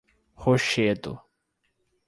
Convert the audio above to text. Rochedo